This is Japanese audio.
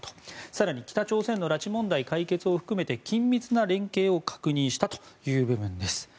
更に北朝鮮の拉致問題解決を含めて緊密な連携を確認したという部分です。